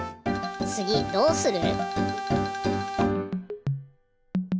つぎどうする？